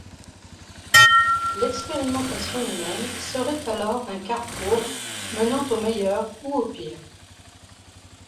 L'expérimentation humaine serait alors un carrefour menant au meilleur ou au pire.